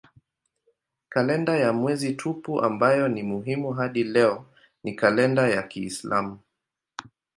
Kalenda ya mwezi tupu ambayo ni muhimu hadi leo ni kalenda ya kiislamu.